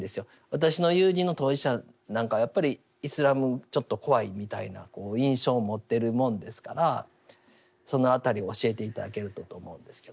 私の友人の当事者なんかはやっぱりイスラムちょっと怖いみたいな印象を持ってるもんですからその辺りを教えて頂けるとと思うんですけど。